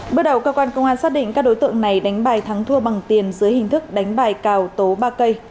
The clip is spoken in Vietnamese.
bước đầu cơ quan công an xác định các đối tượng này đánh bài thắng thua bằng tiền dưới hình thức đánh bài cào tố ba cây